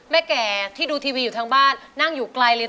แก่ที่ดูทีวีอยู่ทางบ้านนั่งอยู่ไกลเลย